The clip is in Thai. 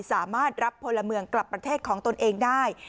สามารถรับพลเมืองกลับประเทศของตนเองได้